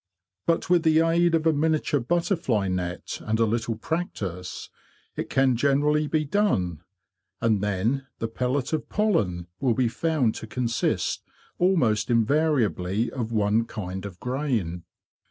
But with the aid of a miniature butterfly net and a little practice it can generally be done; and then the pellet of pollen will be found to consist almost invariably of one kind of grain.